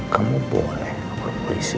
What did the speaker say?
kamu boleh ngelakuin polisi